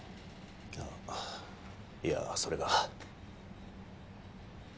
あっいやそれが。